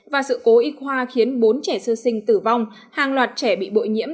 và sự cố y khoa khiến bốn trẻ sơ sinh tử vong hàng loạt trẻ bị bội nhiễm